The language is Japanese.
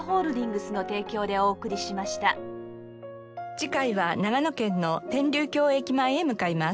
次回は長野県の天竜峡駅前へ向かいます。